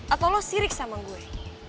atau lo sirik sama gue